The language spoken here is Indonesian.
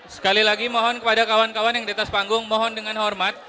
sekali lagi mohon kepada kawan kawan yang di atas panggung mohon dengan hormat